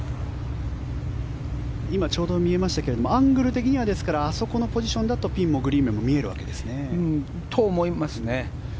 今ちょうど見えましたがアングル的にはあそこのポジションだとピンもグリーンも見えるわけですね。と、思いますね。